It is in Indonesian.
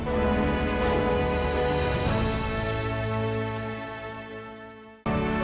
kami berharap kita bisa memaksimalkan anak kita